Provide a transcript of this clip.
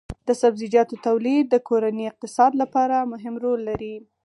د سبزیجاتو تولید د کورني اقتصاد لپاره مهم رول لري.